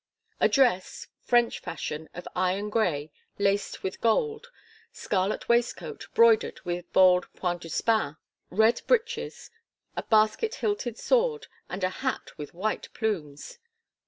A dress, French fashion, of iron grey, laced with gold, scarlet waistcoat broidered with bold point de spain, red breeches, a basket hilted sword and a hat with white plumes!"